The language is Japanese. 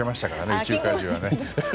宇宙怪獣は。